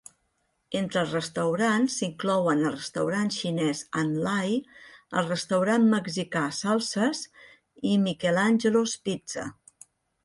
Entre els restaurants s'inclouen el restaurant xinès En Lai, el restaurant mexicà Salsa's i Michael Angelo's Pizza.